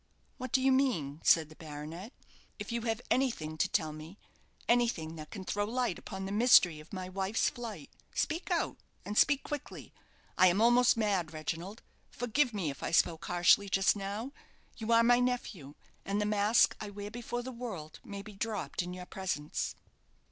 "What do you mean?" said the baronet. "If you have anything to tell me anything that can throw light upon the mystery of my wife's flight speak out, and speak quickly. I am almost mad, Reginald. Forgive me, if I spoke harshly just now. You are my nephew, and the mask I wear before the world may be dropped in your presence."